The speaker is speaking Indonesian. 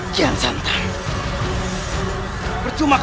katie yang merindukan aku